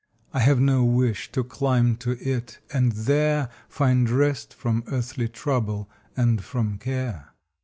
I have no wish to climb to it and there Find rest from earthly trouble and from care.